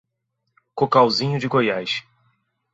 Cocalzinho de Goiás